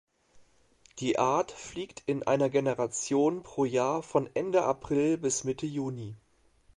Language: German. Die Art fliegt in einer Generation pro Jahr von Ende April bis Mitte Juni.